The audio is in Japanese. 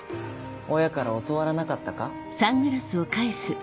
親から教わらなかったか？